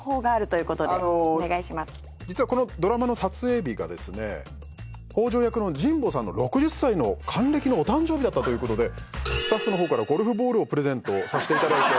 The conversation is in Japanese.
実はこのドラマの撮影日がですね北条役の神保さんの６０歳の還暦のお誕生日だったという事でスタッフのほうからゴルフボールをプレゼントさせて頂いて。